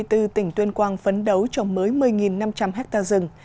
tỉnh tuyên quang phấn đấu trồng mới một mươi năm trăm linh hectare rừng